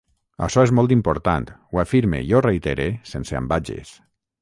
Açò és molt important, ho afirme i ho reitere sense ambages.